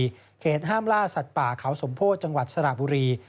เขตรักษาพันธุ์ห้ามล่าสัตว์ป่าเขาสมโพธิจังหวัดสลักบุรี